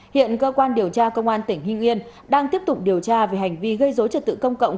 hiện cơ quan điều tra công an tỉnh hưng yên đang tiếp tục điều tra về hành vi gây dối trật tự công cộng